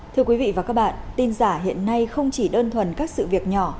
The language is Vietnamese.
thưa quý vị và các bạn tin giả hiện nay không chỉ đơn thuần các sự việc nhỏ